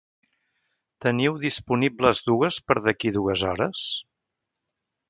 Teniu disponibles dues per d'aquí dues hores?